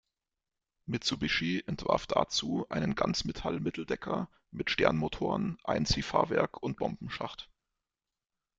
Mitsubishi entwarf dazu einen Ganzmetall-Mitteldecker mit Sternmotoren, Einziehfahrwerk und Bombenschacht.